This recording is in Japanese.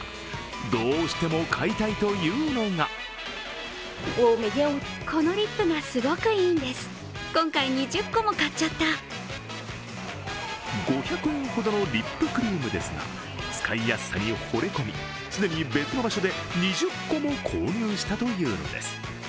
どうしても買いたいというのが５００円ほどのリップですが、使いやすさにほれ込み、既に別の場所で２０個も購入したというんです。